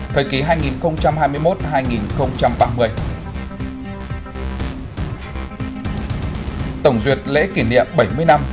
thời kỳ hai nghìn hai mươi một đến hai nghìn ba mươi tổng duyệt lễ kỷ niệm bảy mươi năm chiến thắng điểm biên phủ